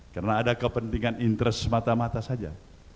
karena ada kepentingan interest mata mata saja